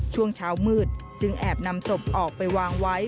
ช่วงเช้ามืดจึงแอบนำศพออกไปวางไว้